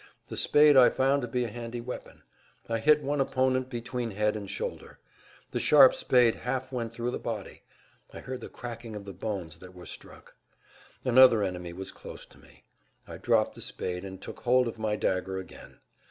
The spade I found to be a handy weapon. I hit one opponent between head and shoulder. The sharp spade half went through the body; I heard the cracking of the bones that were struck. Another enemy was close to me. I dropped the spade and took hold of my dagger again.